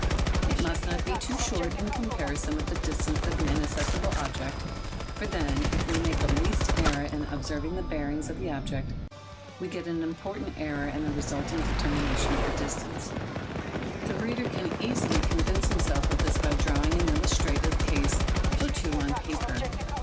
It must not be too short in comparison with the distance of the inaccessible object; for then, if we make the least error in observing the bearings of the object, we get an important error in the resulting determination of the distances. The reader can easily convince himself of this by drawing an illustrative case or two on paper.